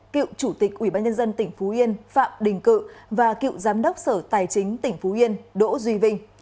cựu chủ tịch ubnd tỉnh phú yên phạm đình cự và cựu giám đốc sở tài chính tỉnh phú yên đỗ duy vinh